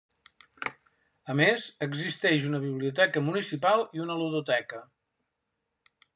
A més, existeix una biblioteca municipal i una ludoteca.